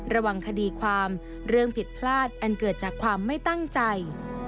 ระวังคดีความเรื่องผิดพลาดอันเกิดจากความไม่ตั้งใจ